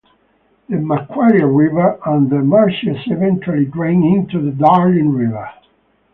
The Macquarie River and the marshes eventually drain into the Darling River.